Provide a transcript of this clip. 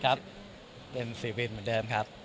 ครับเป็นสีวินเหมือนเดิมครับ